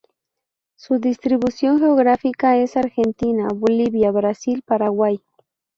Su distribución geográfica es Argentina, Bolivia, Brasil, Paraguay.